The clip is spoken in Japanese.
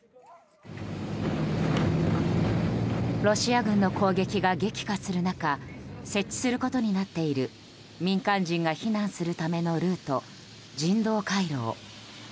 ロシア軍の攻撃が激化する中設置することになっている民間人が避難するためのルート人道回廊。